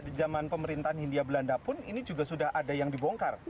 di zaman pemerintahan hindia belanda pun ini juga sudah ada yang dibongkar